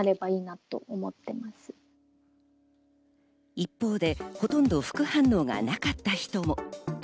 一方でほとんど副反応がなかった人も。